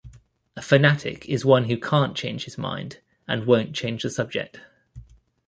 A fanatic is one who can't change his mind and won't change the subject.